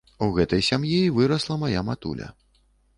У гэтай сям'і і вырасла мая матуля.